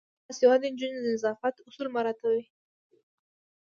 باسواده نجونې د نظافت اصول مراعاتوي.